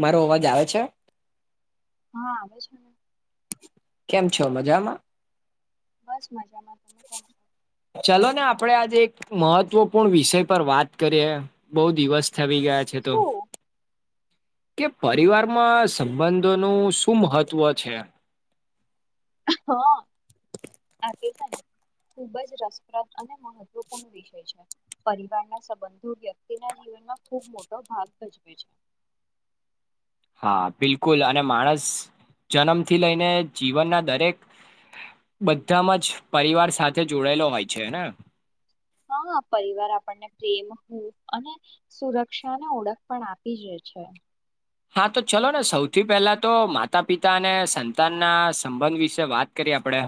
મારો અવાજ ક આવે છે હા આવે છે કેમ છો મજામાં [inaudible] તમે કેમ છો ચલો ને આપડે આજે એક મહત્વપૂર્ણ વિષય પર વાત કરીએે બહુ દિવસ થવી ગયા છે તો શું કે પરિવારમાં સંબંધોનું શું મહત્ત્વ છે. હ આ તો છે ને ખૂબ જ રસપ્રદ અને મહત્વપૂર્ણ વિષય છે પરિવારના સંબંધો વ્યક્તિના જીવનમાં ખૂબ મોટો ભાગ ભજવે છે. હા બિલકુલ અને માણસ જન્મથી લઈને જીવનના દરેક બધામાં જ પરિવાર સાથે જોડાયેલો હોય છેને હા પરિવાર આપણને પ્રેમ હૂફ અને સુરક્ષાને ઓળખ પણ આપી જ છે હા તો ચલો ને સૌથી પહેલા તો માતા પિતા અને સંતાનના સંબંધ વિશે વાત કરીએ આપણેે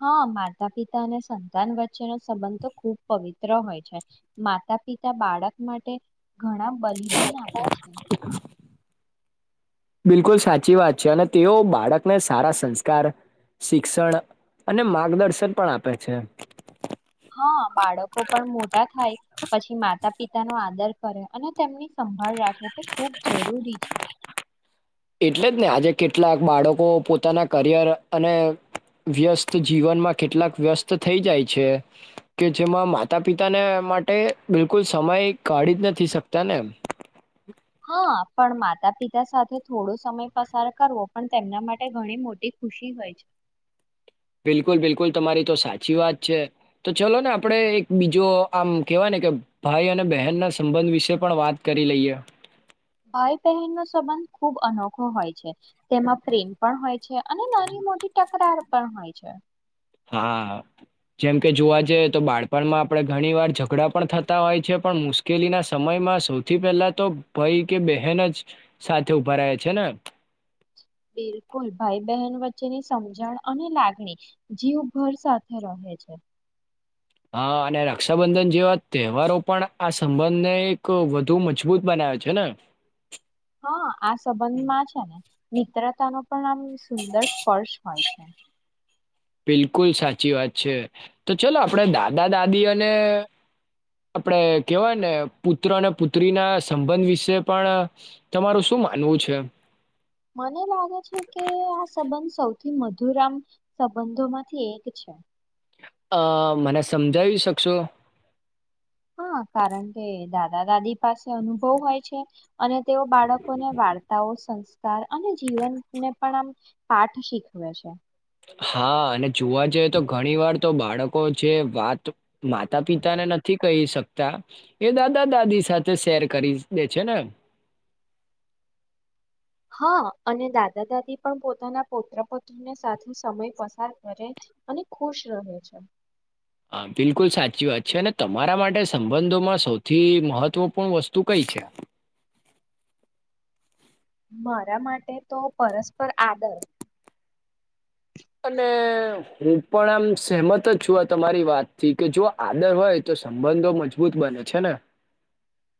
હા માતા પિતા અને સંતાન વચ્ચેનો સંબંધ તો ખૂબ પવિત્ર હોય છે માતા પિતા બાળક માટે ઘણા બલિદાન આપે છે. બિલકુલ સાચી વાત છે અને તેઓ બાળકને સારા સંસ્કાર શિક્ષણ અને માર્ગદર્શન પણ આપે છે. હા બાળકો પણ મોટા થાય પછી માતા પિતા તેનો આદર કરે અને તેમની સંભાળ રાખે તે ખૂબ જરૂરી છે. એટલે જ ને આજે કેટલાક બાળકો પોતાના કરિયર અને વ્યસ્ત જીવનમાં કેટલાક વ્યસ્ત થઈ જાય છે કે જેમાં માતા પિતાને માટે બિલકુલ સમય કાઢી જ નથી શકતા ને હા પણ માતા પિતા સાથે થોડો સમય પસાર કરવો પણ તેમના માટે ઘણી મોટી ખુશી હોય છે. બિલકુલ બિલકુલ તમારી તો સાચી વાત છે તો ચલો ને આપણે એક બીજો આમ કેવાય ને કે ભાઈ અને બહેન ના સંબંધ વિશે પણ વાત કરી લઈએ. ભાઈ બહેન નો સંબંધ ખૂબ અનોખો હોય છે તેમાં પ્રેમ પણ હોય છે અને નાની મોટી તકરાર પણ હોય છે. હા જેમ કે જોવા જઈએ તો બાળપણમાં આપણે ઘણી વાર ઝઘડા પણ થતા હોય છે પણ મુશ્કેલીના સમયમાં સૌથી પહેલા તો ભાઈ કે બહેન જ સાથે ઉભા રહેાય છે ને બિલકુલ ભાઈ બહેન વચ્ચેની સમજણ અને લાગણી જીવભર સાથે રહે છે. હા અને રક્ષાબંધન જેવા તહેવારો પણ આ સંબંધને એક વધુ મજબૂત બનાવે છે ને. હા આ સંબંધમાં છે ને. મિત્રતા ન પણ આમ સુંદર સ્પર્શ હોય છે. બિલકુલ સાચી વાત છે તો ચલો આપણે દાદા દાદી અને આપણે કેવાય ને પુત્ર અને પુત્રી ના સંબંધ વિશે પણ તમારું શું માનવું છે. મને લાગે છે કે આ સંબંધ સૌથી મધુરામ સંબંધોમાંથી એક છે. અ મને સમજાવી શકશો. હા કારણ કે દાદા દાદી પાસે અનુભવ હોય છે. અને તેઓ બાળકોને વાર્તાઓ સં. અને જીવનને પણ આમ પાઠ શીખવે છે. હા અને જોવા જઈએ તો ઘણી વાર તો બાળકો જે વાત, માતા પિતા ને નથી કહી શકતા. એ દાદા દાદી સાથે શેર કરી દે છે ને. હા અને દાદા દાદી પણ પોતાના પૌત્ર પુત્રને સાથે સમય પસાર કરે અને ખુશ રહે છે. હા બિલકુલ સાચી વાત છે અને તમારા માટે સંબંધોમાં સૌથી મહત્વપૂર્ણ વસ્તુ કઈ છે. મારા માટે તો પરસ્પર આદર. અને હું પણ આમ સહેમત જ છું આ તમારી વાતથી કે જો આદર હોય તો સંબંધો મજબૂત બને છે ને.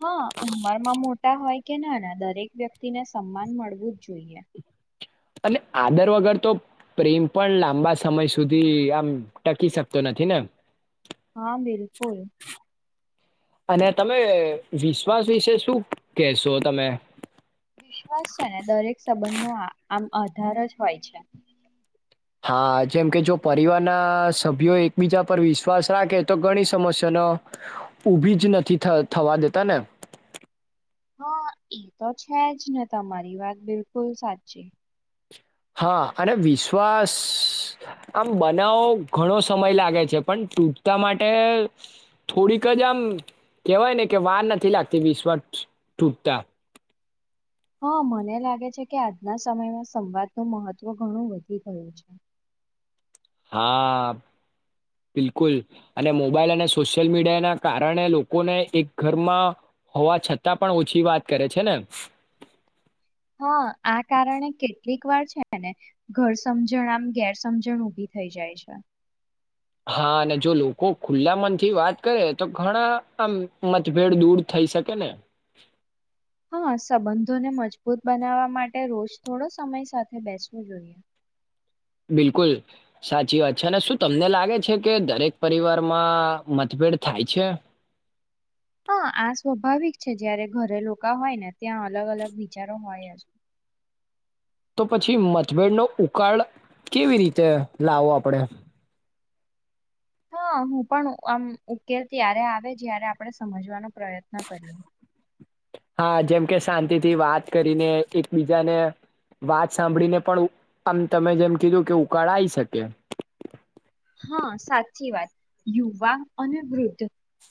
હા ઉંમરમાં મોટા હોય કે ના ના દરેક વ્યક્તિને સન્માન મળવું જ જોઈએ. અને આદર વગર તો પ્રેમ પણ લાંબા સમય સુધી આમ ટકી શકતો નથી ને? હા, બિલકુલ. અને તમે વિશ્વાસ વિશે શું કેહેશો તમે? વિશ્વાસ છે ને દરેક સંબંધનો આ- આમ આધાર જ હોય છે. હા, જેમ કે જો પરિવારના સભ્યો એકબીજા પર વિશ્વાસ રાખે તો ઘણી સમસ્યાનો ઊભી જ નથી થવા દેતાને. હા, એ તો છે જ ને તમારી વાત બિલકુલ સાચી. હા, અને વિશ્વાસ આમ બનાવો ઘણો સમય લાગે છે પણ તૂટતા માટે થોડીક જ આમ કેહેવાય ને કે, વાર નથી લાગતી વિશ્વાસ તૂટતા. હા, મને લાગે છે કે આજના સમયમાં સંવાદનું મહત્ત્વ ઘણું વધી ગયું છે. હા, બિલકુલ અને મોબાઈલ અને સોશિયલ મીડિયા ના કારણે લોકોને એક ઘરમાં હોવા છતાં પણ ઓછી વાત કરે છે ને. હા, આ કારણે કે કેટલીક વાર છે ને ઘર સમજણ આમ ગેરસજણ ઉભી થઈ જાય છે. હા, અને જો લોકો ખુલ્લા મનથી વાત કરે તો ઘણા આમ મતભેદ દૂર થઈ શકે ને. હા, સંબંધોને મજબૂત બનાવવા માટે રોજ થોડો સમય સાથે બેસવુ જોઈએ. બિલકુલ સાચી વાત છે અને શું તમને લાગે છે કે, દરેક પરિવારમાં મતભેદ થાય છે? હા, આ સ્વાભાવિક છે જયારે ઘરે લોકા હોય ને ત્યાં અલગ અલગ વિચારો હોય જ. તો પછી મતભેડનો ઉકાળ, કેવી રીતે લાવો પડે? હા, હું પણ આમ ઉકેલ ત્યારે આવે જ્યારે આપણે સમજવાનો પ્રયત્ન કરીએ. હા, જેમ કે શાંતિથી વાત કરીને એકબીજાને વાત સાંભળીને પણ આમ તમે જેમ કીધું કે ઉકાળાય શકે. હા,. સાચી વાત યુવા અને વૃદ્ધ.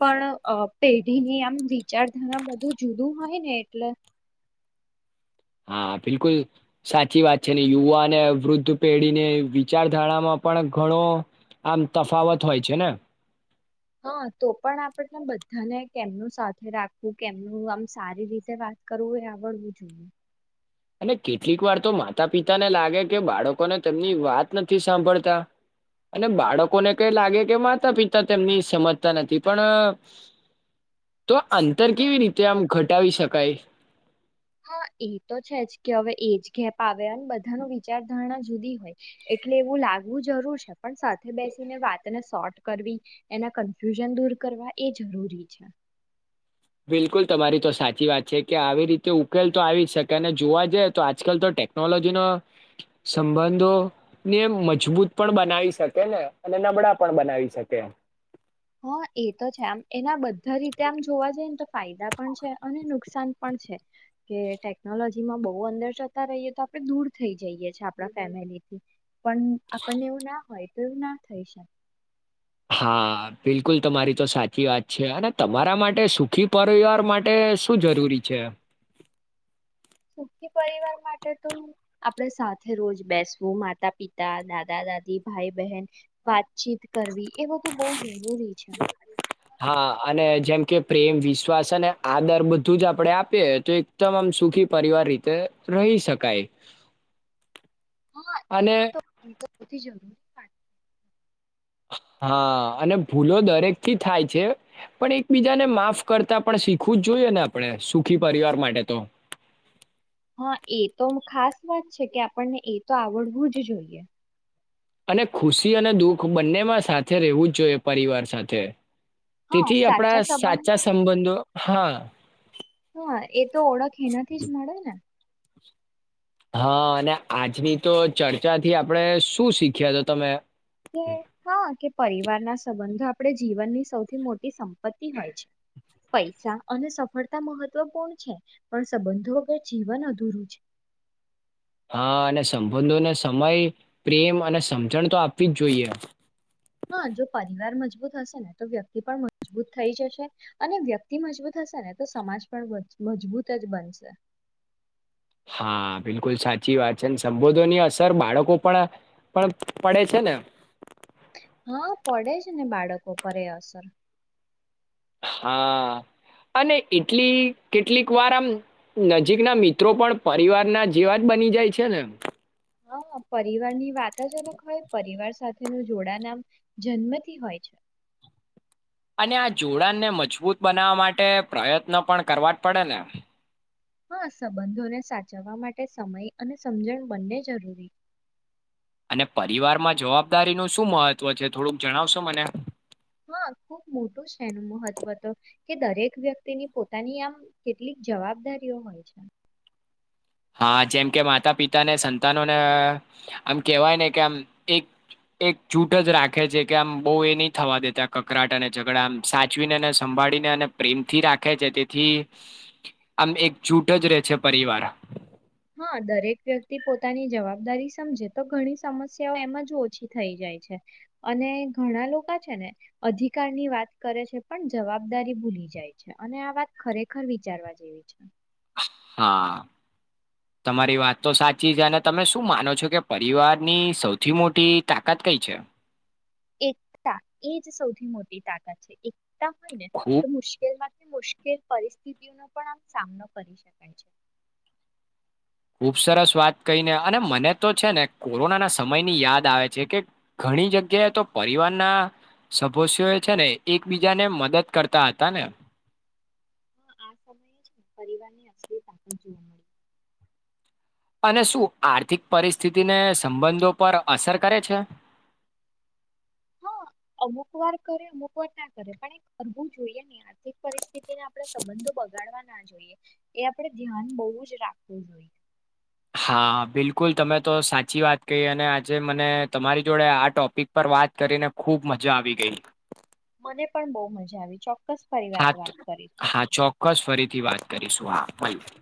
પણ અ પેઢીની આમ વિચારધારા બધું જુદું હોય ને એટલે હા, બિલકુલ સાચી વાત છે ને યુવા અને વૃદ્ધ પેઢીને વિચારધારામાં પણ ઘણો આમ તફાવત હોય છે ને. હા, તો પણ આપણે બધાને કેમનું સાથે રાખવું, કેમનું આમ સારી રીતે વાત કરવું એ આવડવું જોઈએ. અને કેટલીક વાર તો માતા પિતાને લાગે કે બાળકોને તેમની વાત નથી સાંભળતા અને બાળકોને કઈ લાગે કે માતા પિતા તેમની સમજતા નથી પણ તો અંતર હા, કેવી રીતે આમ ઘટ અટાવી શકાય. હા, એ તો છે જ કે હવે એજ ગેપ આવે અને બધાનું વિચારધારણા જુદી હોય એટલે એવું લાગવું જરૂર છે પણ સાથે બેસીને વાતને શોર્ટ કરવી એના કન્ફ્યુઝન દૂર કરવા એ જરૂરી છે. બિલકુલ તમારી તો સાચી વાત છે કે, આવી રીતે ઉકેલ તો આવી જ શકે અને જોવા જઈએ તો આજકાલ તો ટેકનોલોજીનો સંબંધો ને મજબૂત પણ બનાવી શકે ને અને નબળા પણ બનાવી શકે. હા, એ તો છે આમ એના બધા રીતે આમ જોવા જઈએ તો ફાયદા પણ છે અને નુકસાન પણ છે કે ટેકનોલોજીમાં બહુ અંદર જતા રહીએ તો આપણે દૂર થઈ જઈએ આપણા ફેમિલીથી પણ આપણને એવું ના હોય. પૂલ ન થઈ શકે. હા, બિલકુલ તમારી તો સાચી વાત છે અને તમારા માટે સુખી પરિવાર માટે શું જરૂરી છે? સુખી પરિવાર માટે તો આપણે સાથે રોજ બેસવું માતા પિતા દાદા દાદી ભાઈ બહેન વાતચીત કરવી એ બહુ જરૂરી છે. હા, અને જેમ કે પ્રેમ વિશ્વાસ અને આદર બધું જ આપણે આપીએ તો એકદમમ સુખી પરિવાર રીતે રહી શકાય. હા, એ અને તો એ તો બી જરૂરી વાત હા અને ભૂલો દરેક થી થાય છે પણ એકબીજાને માફ કરતા પણ શીખવું જ જોઈએ ને આપણે સુખી પરિવાર માટે તો હા, એ તો ખાસ વાત છે કે આપણને એ તો આવડવું જ જોઈએ. અને ખુશી અને દુઃખ બંનેમાં સાથે રહેવું જ જોઈએ પરિવાર સાથે. હા તેથી આપણા સાચા સાચા સંબંધોને સંબંધો હા હા,. એ તો ઓળખ એનાથી જ મળે ને. હા, અને આજની તો ચર્ચાથી આપણે શું શીખ્યા તો તમે? કે, હા કે પરિવાર ના સંબંધો આપણે જીવનની સૌથી મોટી સંપત્તિ હોય છે. પૈસા અને સફળતા મહત્વપૂર્ણ છે. પણ સંબંધો વગર જીવન અધૂરું છે. હા અને સંબંધોને સમય, પ્રેમ અને સમજણ તો આપવી જ જોઈએ. હા જો પરિવાર મજબૂત હશે ને તો વ્યક્તિ પણ મજબૂત થઈ જશે. અને વ્યક્તિ મજબૂત હશે ને તો સમાજ પણ મજબૂત જ બનશે. હા બિલકુલ સાચી વાત છે ને સંબોધોની અસર બાળકો પણ પણ પડે છે ને હા પડે છે ને બાળકો પર એ અસર હા અને એટલી કેટલીક વાર આમ નજીકના મિત્રો પણ પરિવારના જેવા જ બની જાય છે ને હહ પરિવારની વાત જ અલગ હોય પરિવાર સાથે તેનું જોડાણ આમ જન્મથી હોય છે. અને આ જોડાણને મજબૂત બનાવા માટે પ્રયત્ન પણ કરવા જ પડે ને હા સંબંધોને સાચવવા માટે સમય અને સમજણ બંને જરૂરી અને પરિવારમાં જવાબદારી નું શું મહત્વ છે? થોડુંક જણાવશો મને? હા ખૂબ મોટું છે એનું મહત્વ તો કે દરેક વ્યક્તિની પોતાની આમ કેટલીક જવાબદારીઓ હોય છે. હા જેમ કે માતા પિતાને સંતાનોને આમ કેહેવાય ને કે આમ એક એક છૂટ જ રાખે છે કે આમ બહુ એ નહી થવા દેતા કકરાટ અને ઝઘડા આમ સાચવીને સંભાળીને અને પ્રેમથી રાખે છે તેથી આમ એક છૂટ જ રહેે છે પરિવાર હા દરેક વ્યક્તિ પોતાની જવાબદારી સમજે તો ઘણી સમસ્યાઓ એમજ ઓછી થઈ જાય છે. અને ઘણા લોકા છે ને અધિકારની વાત કરે છે પણ જવાબદારી ભૂલી જાય છે. અને આ વાત ખરેખર વિચારવા જેવી છે. હા તમારી વાત તો સાચી છે. અને તમે શું માનો છો કે પરિવારની સૌથી મોટી તાકાત કઈ છે? એકતા એ જ સૌથી મોટી તાકાત છે એક એકતા હોયને ખૂબ તો મુશ્કેલમાં મુશ્કેલ પરિસ્થિતિનો પણ આમ સામનો કરી શકાય છે. ખુબ સરસ વાત કહીને અને મને તો છે ને કોરોનાના સમયની યાદ આવે છે કે ઘણી જગ્યાએ તો પરિવારના સભસ્યો એ છે ને એકબીજાને મદદ કરતા હતા ને હહ આ સમયે જ પરિવારની અશલી તાકાત જોવા મળી. અને શું આર્થિક પરિસ્થિતિને સંબંધો પર અસર કરે છે? હહ અમુક વાર કરે અમુક વાર ના કરે પણ એ કરવું જોઈએ ની આ આર્થિક પરિસ્થિતિને આપણે સંબંધો બગાડવા ના જોઈએ એ આપણે ધ્યાન બહું જ રાખવું જોઈએ. હા બિલકુલ તમે તો સાચી વાત કહી. અને આજે મને તમારી જોડે આ ટોપિક પર વાત કરીને ખૂબ મજા આવી ગઈ. મને પણ બહુ મજા આવી. ચોક્કસ ફરી વાત હા ત- વાત કરીશું. હા ચોક્કસ ફરીથી વાત કરીશું હા [inaudible]